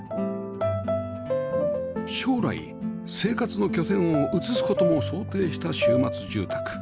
将来生活の拠点を移す事も想定した週末住宅